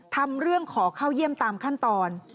ทำเรื่องขอเข้าเยี่ยมตามขั้นตอน